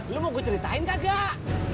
lo mau gue ceritain gak